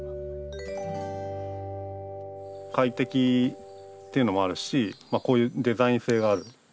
快適っていうのもあるしこういうデザイン性がある。